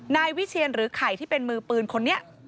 นายวิเชียนหรือไข่ที่เป็นมือปืนคนนี้